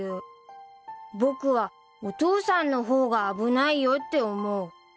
［僕はお父さんの方が危ないよって思う］